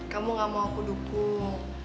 kamu gak mau aku dukung